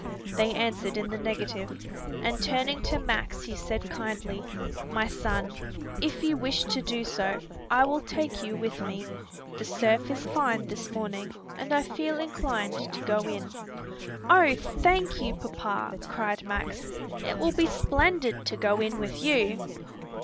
They answered in the negative, and turning to Max he said kindly, "My son, if you wish to do so, I will take you with me. The surf is fine this morning and I feel inclined to go in." "Oh, thank you, papa!" cried Max, "it will be splendid to go in with you!"